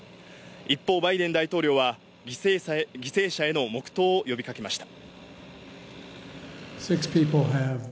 一方、バイデン大統領は犠牲者への黙祷を呼びかけました。